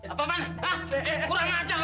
apa pan hah kurang ajar lu ah